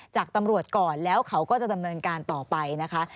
จากตำรวจก่อนแล้วเขาก็จะดำเนินการต่อไปนะคะ